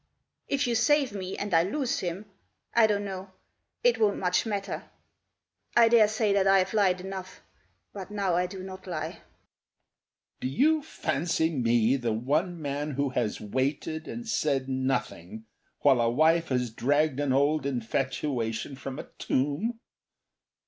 If you save me, and I lose him I don't know it won't much matter. I dare say that I've lied enough, but now I do not lie." "Do you fancy me the one man who has waited and said nothing While a wife has dragged an old infatuation from a tomb?